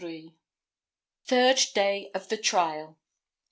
Third Day of the Trial.